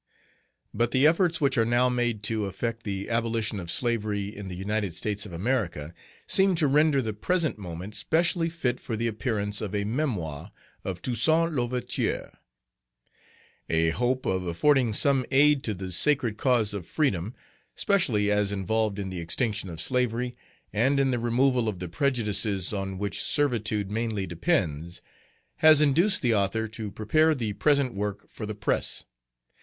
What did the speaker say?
But the efforts which are now made to effect the abolition of slavery in the United States of America, seem to render the present moment specially fit for the appearance of a memoir of TOUSSAINT L'OUVERTURE. A hope of affording some aid to the sacred cause of freedom, specially as involved in the extinction of slavery, and in the removal of the prejudices on which servitude mainly depends, has induced the author to prepare the present work for the press.